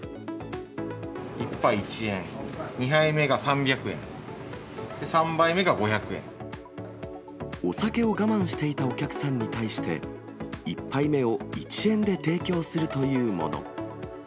１杯１円、２杯目が３００円、お酒を我慢していたお客さんに対して、１杯目を１円で提供するというもの。